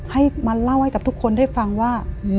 ให้มาเล่าให้กับทุกคนได้ฟังว่า